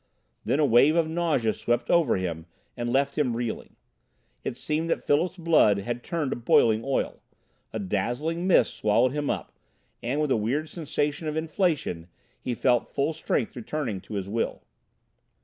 Then a wave of nausea swept over him and left him reeling. It seemed that Philip's blood had turned to boiling oil. A dazzling mist swallowed him up, and with a weird sense of inflation he felt full strength returning to his will.